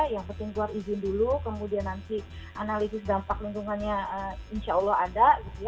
yang penting keluar izin dulu kemudian nanti analisis dampak lingkungannya insya allah ada